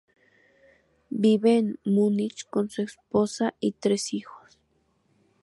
Vive en Múnich con su esposa y tres hijos.